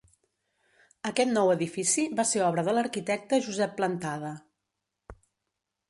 Aquest nou edifici va ser obra de l'arquitecte Josep Plantada.